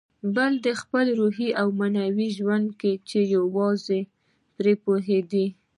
بل دې خپل روحي او معنوي ژوند و چې یوازې ته پرې پوهېدې.